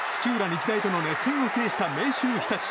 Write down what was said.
日大との熱戦を制した明秀日立。